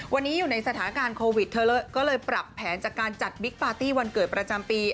วันนี้อยู่ในสถานการณ์โควิดเธอก็เลยปรับแผนจากการจัดบิ๊กปาร์ตี้วันเกิดประจำปี